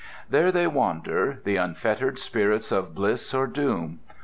There they wander, the unfettered spirits of bliss or doom.